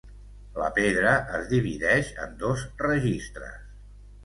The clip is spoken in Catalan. La pedra es divideix en dos registres.